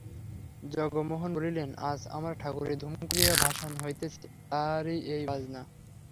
জগমোহন বলিলেন, আজ আমার ঠাকুরের ধুম করিয়া ভাসান হইতেছে, তারই এই বাজনা।